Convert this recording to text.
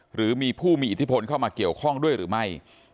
หรือมีผู้มีอิทธิพลเข้ามาเกี่ยวข้องด้วยหรือไม่